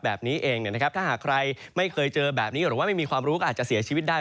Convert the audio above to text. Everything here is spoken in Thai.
แบบนี้เองถ้าหากใครไม่เคยเจอแบบนี้หรือว่าไม่มีความรู้ก็อาจจะเสียชีวิตได้